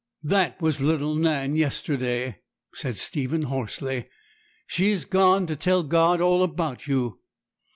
'That was little Nan yesterday,' said Stephen hoarsely; 'she is gone to tell God all about you.